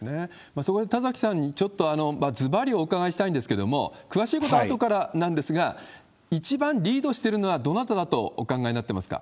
そこで田崎さんにちょっとずばりお伺いしたいんですけれども、詳しいことは後からなんですが、一番リードしてるのはどなただとお考えになってますか？